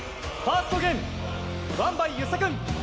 ファーストゲームワンバイ遊佐君！